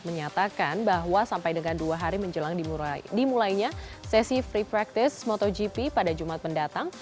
menyatakan bahwa sampai dengan dua hari menjelang dimulainya sesi free practice motogp pada jumat mendatang